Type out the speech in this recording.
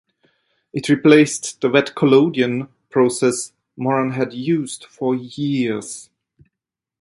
It replaced the wet collodion process Moran had used for years.